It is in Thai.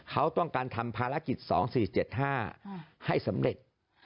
เขาต้องการทำภารกิจ๒๔๗๕ให้สำเร็จ